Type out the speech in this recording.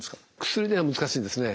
薬では難しいですね。